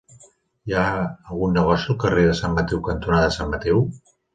Hi ha algun negoci al carrer Sant Mateu cantonada Sant Mateu?